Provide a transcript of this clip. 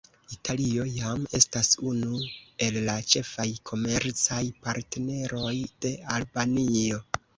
Italio jam estas unu el la ĉefaj komercaj partneroj de Albanio.